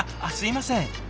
あっすいません。